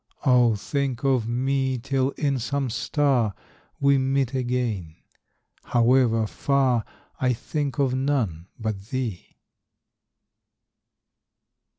Oh, think of me Till in some star We meet again. However far, I think of none but thee.